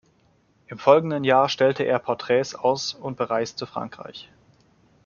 Im folgenden Jahr stellte er Porträts aus und bereiste Frankreich.